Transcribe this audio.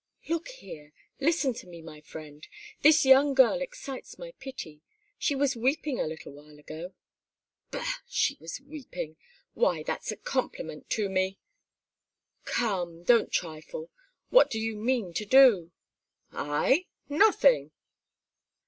"Look here, listen to me, my friend! This young girl excites my pity. She was weeping a little while ago." "Bah! she was weeping! Why, that's a compliment to me!" "Come, don't trifle! What do you mean to do?" "I? Nothing!"